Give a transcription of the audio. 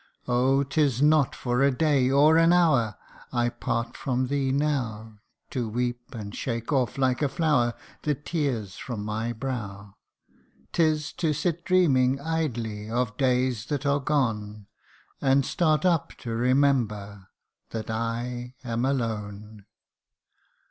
Oh ! tis not for a day, or an hour, I part from thee now, To weep and shake off, like a flower, The tears from my brow : 'Tis to sit dreaming idly of days that are gone, And start up to remember that I am alone.